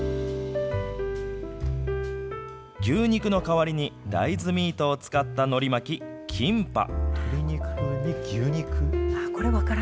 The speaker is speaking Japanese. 牛肉の代わりに、大豆ミートを使ったのり巻き、キンパ。